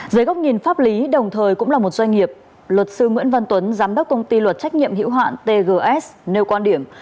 dưới góc nhìn pháp lý đồng thời cũng là một doanh nghiệp luật sư nguyễn văn tuấn giám đốc công ty luật trách nhiệm hữu hạn tgs nêu quan điểm